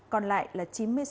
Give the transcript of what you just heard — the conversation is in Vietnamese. còn lại là chín mươi sáu